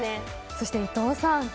そして、伊藤さん